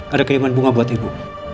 ada kiriman bunga buat ibu